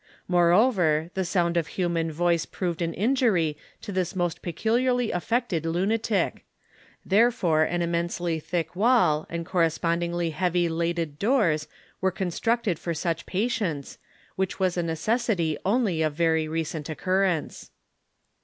Moreover, tlie sound of human voice proved an injury to this most peculiarly affected lunatic ; therefore an im mensely thick wall, and correspondingly heavy laded doors were constructed for such patients, which was a necessity only of very recent occurrence.